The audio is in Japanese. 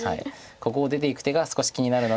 ここを出ていく手が少し気になるので。